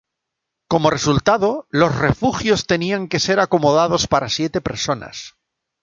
Como resultado, los refugios tenían que ser acomodados para siete personas.